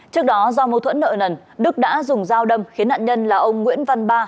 trước đó do mâu thuẫn nợ nần đức đã dùng dao đâm khiến nạn nhân là ông nguyễn văn ba